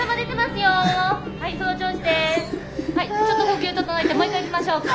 ちょっと呼吸整えてもう一回いきましょうか。